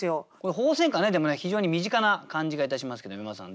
鳳仙花ねでもね非常に身近な感じがいたしますけど山田さん